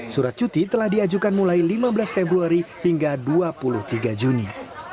surat cuti telah diajukan mulai lima belas februari hingga dua puluh tiga juni